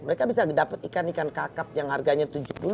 mereka bisa dapat ikan ikan kakap yang harganya tujuh puluh